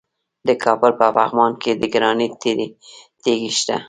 د کابل په پغمان کې د ګرانیټ تیږې شته.